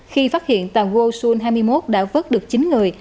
khi phát hiện tàu golson hai mươi một đã vớt được chín người